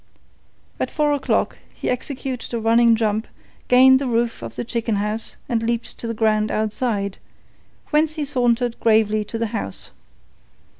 At four o'clock he executed a running jump, gained the roof of the chicken house and leaped to the ground outside, whence he sauntered gravely to the house.